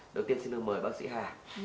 đầu tiên xin được mời bác sĩ hà